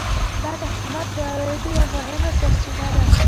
دا د حکومت د عوایدو یوه مهمه سرچینه وه.